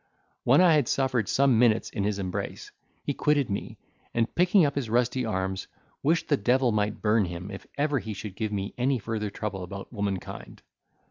When I had suffered some minutes in his embrace, he quitted me, and picking up his rusty arms, wished the devil might burn him if ever he should give me any further trouble about womankind.